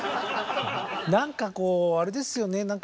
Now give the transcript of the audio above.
何かこうあれですよね